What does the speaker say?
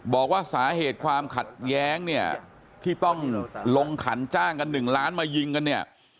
บอกว่าสาเหตุความขัดแย้งเนี่ยที่ต้องลงขันจ้างกัน๑ล้านมายิงกันเนี่ย